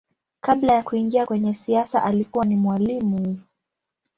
Kabla ya kuingia kwenye siasa alikuwa ni mwalimu.